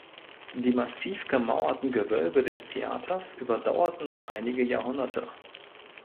Die massiv gemauerten Gewölbe des Theaters überdauerten noch einige Jahrhunderte.